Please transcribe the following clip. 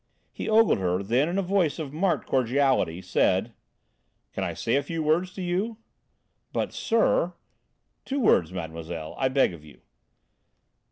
He ogled her, then in a voice of marked cordiality, said: "Can I say a few words to you?" "But, sir " "Two words, mademoiselle, I beg of you."